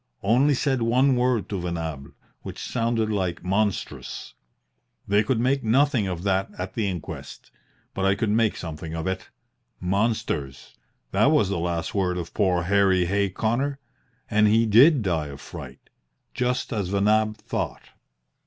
Only said one word to Venables, which sounded like 'Monstrous.' They could make nothing of that at the inquest. But I could make something of it. Monsters! That was the last word of poor Harry Hay Connor. And he did die of fright, just as Venables thought.